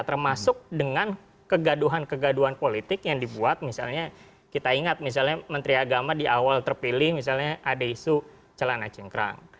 termasuk dengan kegaduhan kegaduhan politik yang dibuat misalnya kita ingat misalnya menteri agama di awal terpilih misalnya ada isu celana cingkrang